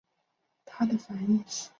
它的反义词为。